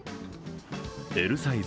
Ｌサイズ